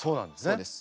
そうです。